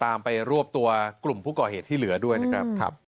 ตามไปรวบตัวกลุ่มผู้ก่อเหตุที่เหลือด้วยนะครับ